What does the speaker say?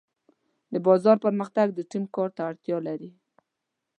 د بازار پرمختګ د ټیم کار ته اړتیا لري.